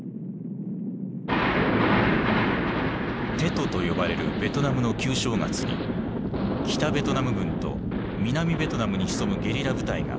「テト」と呼ばれるベトナムの旧正月に北ベトナム軍と南ベトナムに潜むゲリラ部隊が一斉蜂起した。